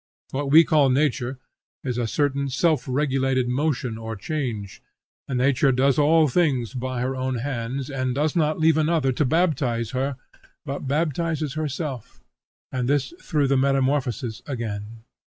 What we call nature is a certain self regulated motion or change; and nature does all things by her own hands, and does not leave another to baptize her but baptizes herself; and this through the metamorphosis again.